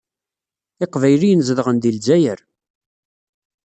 Iqbayliyen zedɣen deg Lezzayer.